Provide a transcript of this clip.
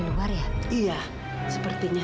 cuma sebentar pak